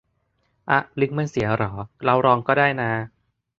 อ๊ะ ลิงก์มันเสียเหรอ เราลองก็ได้นา